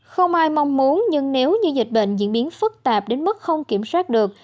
không ai mong muốn nhưng nếu như dịch bệnh diễn biến phức tạp đến mức không kiểm soát được